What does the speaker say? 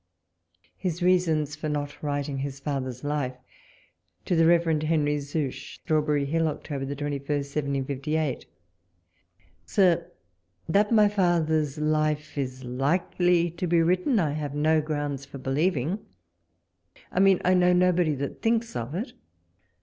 ... HIS REASOXS FOR NOT WRITING HIS FATHER'S LIFE. To THE Rev. Henry Zouch. Strawberry Hill, Oct. 21, 1758. ... Sir, — That my father's life is likely to be written, I have no grounds for believing. I mean I know nobody that thinks of it.